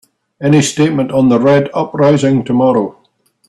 Any statement on the Red uprising tomorrow?